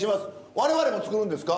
我々も作るんですか？